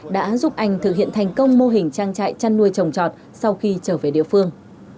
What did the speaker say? đã giúp anh thực hiện thành công mô hình trang trại chăn nuôi trồng trọt sau khi trở về địa phương